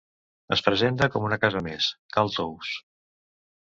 Es presenta com una casa més, Cal Tous.